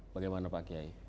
bagaimana pak kiai